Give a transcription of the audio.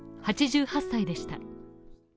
８８歳でした。